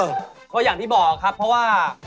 ก็อย่างที่บอกครับเพราะว่า